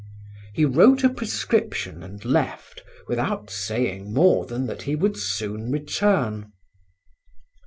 He wrote a prescription and left without saying more than that he would soon return.